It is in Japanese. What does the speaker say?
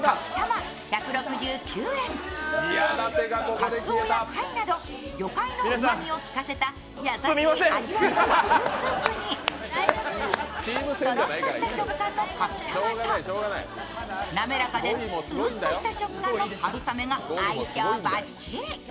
かつおや貝など魚貝のうまみを効かせた優しい味わいの和風スープにとろっとした食感のかきたまと滑らかでつるっとした食感のはるさめが相性バッチリ。